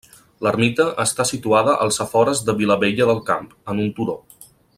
L'ermita està situada als afores de Vilabella del Camp, en un turó.